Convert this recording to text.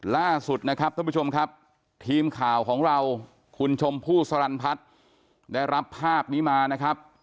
ล่าสุดนะครับท่านผู้ชมครับทีมข่าวของเราคุณชมพู่สรรพัฒน์ได้รับภาพนี้มานะครับ